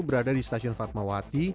berada di stasiun fatmawati